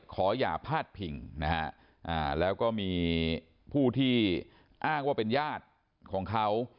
อย่าพาดพิงนะฮะแล้วก็มีผู้ที่อ้างว่าเป็นญาติของเขา